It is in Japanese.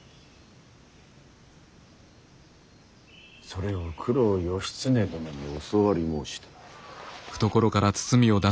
それを九郎義経殿に教わり申した。